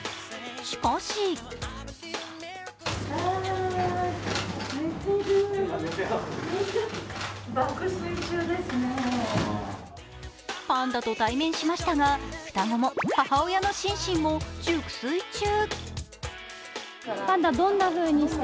しかしパンダと対面しましたが、双子も母親のシンシンも熟睡中。